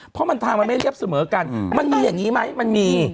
เพราะมันทางมันไม่เรียบเสมอกันมันมีอย่างนี้ไหมมันมี